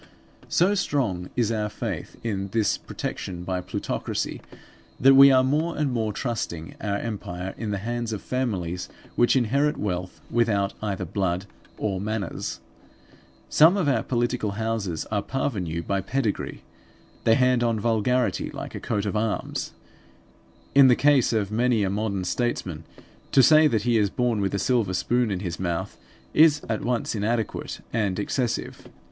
So strong is our faith in this protection by plutocracy, that we are more and more trusting our empire in the hands of families which inherit wealth without either blood or manners. Some of our political houses are parvenue by pedigree; they hand on vulgarity like a coat of arms. In the case of many a modern statesman to say that he is born with a silver spoon in his mouth, is at once inadequate and excessive.